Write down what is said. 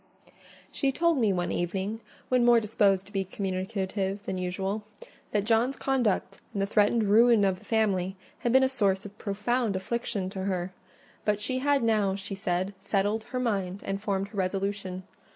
She told me one evening, when more disposed to be communicative than usual, that John's conduct, and the threatened ruin of the family, had been a source of profound affliction to her: but she had now, she said, settled her mind, and formed her resolution.